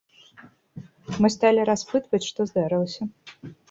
Мы сталі распытваць, што здарылася.